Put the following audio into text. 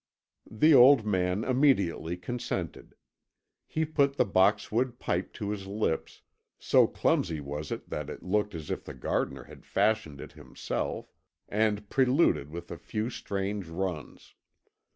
The old man immediately consented. He put the boxwood pipe to his lips, so clumsy was it that it looked as if the gardener had fashioned it himself, and preluded with a few strange runs.